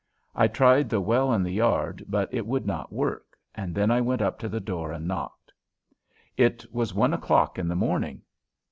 I tried the well in the yard, but it would not work, and then I went up to the door and knocked. It was one o'clock in the morning.